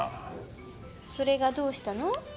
それがどうしたの？